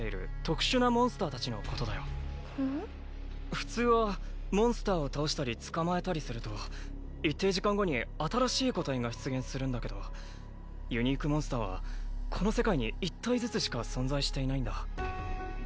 普通はモンスターを倒したり捕まえたりすると一定時間後に新しい個体が出現するんだけどユニークモンスターはこの世界に１体ずつしか存在していないんだ。